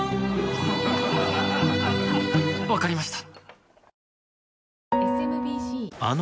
わかりました。